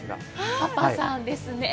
パパさんですね。